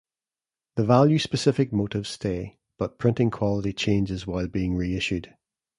The value-specific motives stay, but printing quality changes while being re-issued.